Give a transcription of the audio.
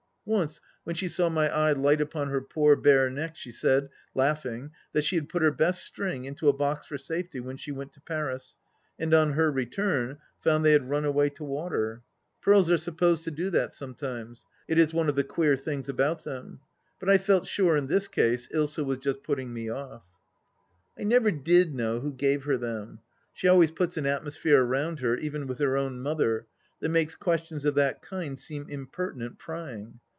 Once when she saw my eye light upon her poor bare neck, she said, laughing, that she had put her best string into a box for safety when she went to Paris, and on her return found they had run away to water. Pearls are supposed to do that, some times ; it is one of the queer things about them ; but I felt sure, in this case, Ilsa was just putting me off. I never did know who gave her them. She always puts an atmosphere round her, even with her own mother, that makes questions of that kind seem impertinent prying